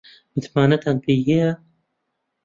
متمانەتان پێی هەیە؟